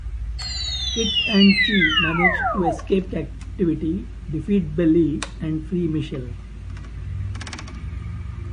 Kit and Chi manage to escape captivity, defeat Billy, and free Michelle.